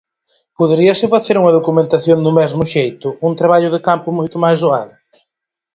Poderíase facer unha documentación do mesmo xeito, un traballo de campo moito máis doado?